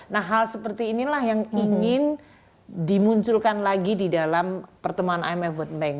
nah hal seperti inilah yang ingin dimunculkan lagi di dalam pertemuan imf world bank